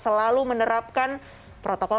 selalu menerapkan protokol